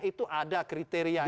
itu ada kriteriannya